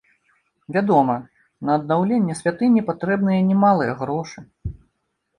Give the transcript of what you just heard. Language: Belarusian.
Вядома, на аднаўленне святыні патрэбныя немалыя грошы.